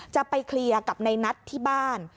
จะไปเคลียร์กับในนัทที่บ้าน